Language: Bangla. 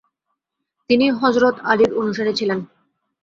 তিনি হযরত আলীর অনুসারী ছিলেন।